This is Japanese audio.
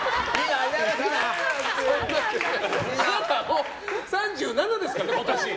あなたもう３７ですからね、今年。